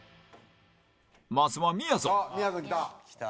まずはみやぞん